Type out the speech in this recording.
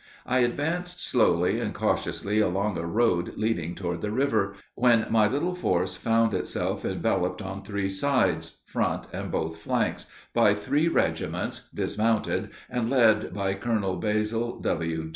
I advanced slowly and cautiously along a road leading toward the river, ... when my little force found itself enveloped on three sides front and both flanks by three regiments, dismounted, and led by Colonel Basil [W.